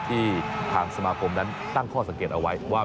ที่ทางสมาคมนั้นตั้งข้อสังเกตเอาไว้ว่า